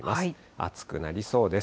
暑くなりそうです。